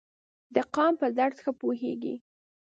د قام په درد ښه پوهیږي.